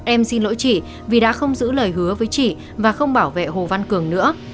em xin lỗi chị vì đã không giữ lời hứa với chị và không bảo vệ hồ văn cường nữa